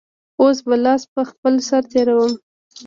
اوس به لاس په خپل سر تېروم.